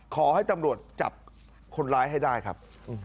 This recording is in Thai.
ขอให้ตำรวจจับคนร้ายให้ได้ครับ